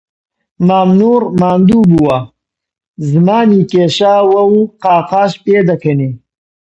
مام نوور ماندوو بووە، زمانی کێشاوە و قاقاش پێدەکەنێ